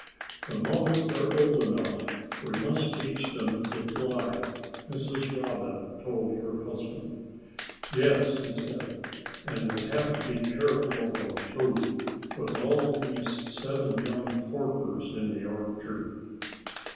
"The moment they're old enough, we must teach them to fly," Mrs. Robin told her husband. "Yes!" he said. "And we'll have to be careful of them, too, with all these seven young porkers in the orchard."